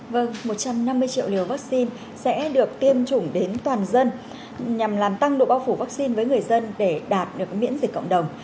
vâng một trăm năm mươi triệu liều vaccine sẽ được tiêm chủng đến toàn dân nhằm làm tăng độ bao phủ vaccine với người dân để đạt được miễn dịch cộng đồng